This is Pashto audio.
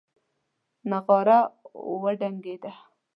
نغاره وډنګېده.